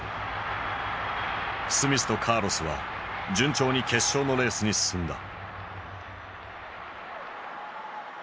スミスとカーロスは順調に決勝のレースに進んだ。